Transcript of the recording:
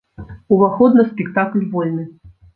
Уваход на спектакль вольны.